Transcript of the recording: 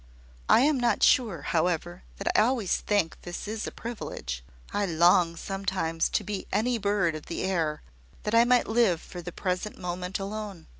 I am not sure, however, that I always think this a privilege. I long sometimes to be any bird of the air, that I might live for the present moment alone."